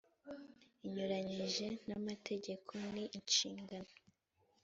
inyuranyije n amategeko n inshingano